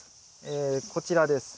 えこちらです。